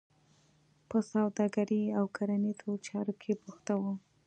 په سوداګرۍ او کرنیزو چارو کې بوخته وه.